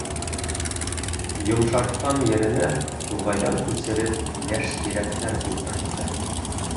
Йомшартҡан еренә туғайҙан күсереп йәш тирәктәр ултыртты.